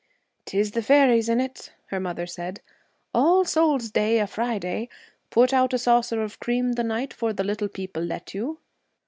''Tis the fairies is in it,' her mother said. 'All Souls' Day a Friday. Put out a saucer of cream the night for the little people, let you.'